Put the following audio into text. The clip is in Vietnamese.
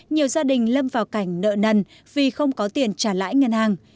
nhiều gia đình lâm vào cảnh nợ nần vì không có tiền trả lãi ngân hàng